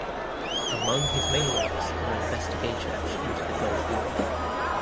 Among his main works are investigations into the Gulf War.